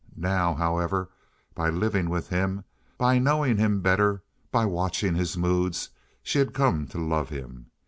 Now, however, by living with him, by knowing him better, by watching his moods, she had come to love him.